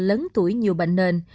lớn tuổi nhiều bệnh nền